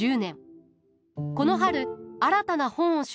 この春新たな本を出版しました。